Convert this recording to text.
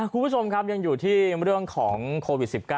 คุณผู้ชมครับยังอยู่ที่เรื่องของโควิด๑๙